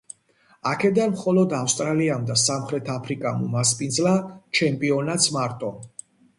აქედან მხოლოდ ავსტრალიამ და სამხრეთ აფრიკამ უმასპინძლა ჩემპიონატს მარტომ.